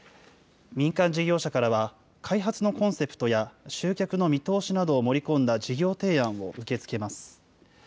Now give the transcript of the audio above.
民間事業者からは、開発のコンセプトや、集客の見通しなどを盛り込んだ事業提案を受け付けます。